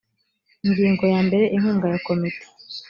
ingingo yambere inkunga ya komite